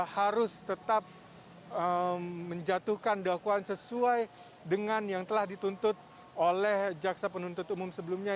harus tetap menjatuhkan dakwaan sesuai dengan yang telah dituntut oleh jaksa penuntut umum sebelumnya